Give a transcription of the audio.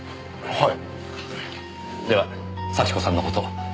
はい。